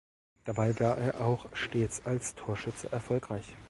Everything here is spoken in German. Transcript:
Dabei war er auch stets als Torschütze erfolgreich.